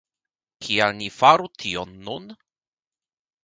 Kial ni faru tion nun?